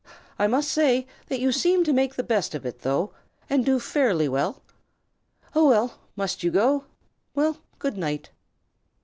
I must say that you seem to make the best of it, though, and do fairly well. Oh, must you go? Well, good night."